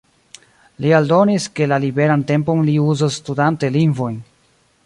Li aldonis, ke la liberan tempon li uzos studante lingvojn.